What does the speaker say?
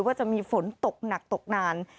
ว่าจะมีฝนตกหนักตกนาน